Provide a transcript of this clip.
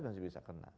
masih bisa kena